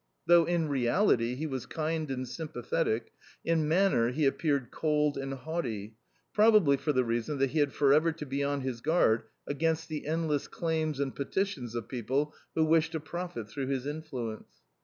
Though in reality he was kind and sympathetic, in manner he appeared cold and haughty probably for the reason that he had forever to be on his guard against the endless claims and petitions of people who wished to profit through his influence.